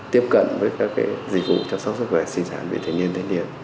tiếp cận với các dịch vụ chăm sóc sức khỏe sinh sản vị thanh niên